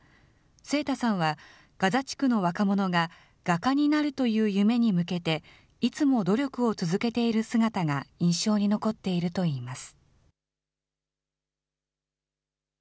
清田さんは、ガザ地区の若者が画家になるという夢に向けて、いつも努力を続けている姿が印象に残っているといいます。